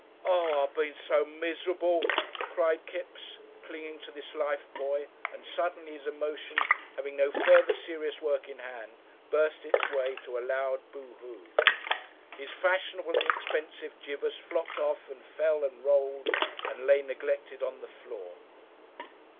"Oh! I been so mis'bel," cried Kipps, clinging to this lifebuoy, and suddenly his emotion, having no further serious work in hand, burst its way to a loud boohoo! His fashionable and expensive gibus flopped off and fell and rolled and lay neglected on the floor.